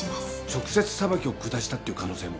直接裁きを下したっていう可能性も。